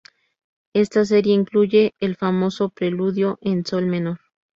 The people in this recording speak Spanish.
Esta serie incluye el famoso Preludio en sol menor.